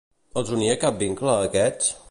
Els unia cap vincle a aquests?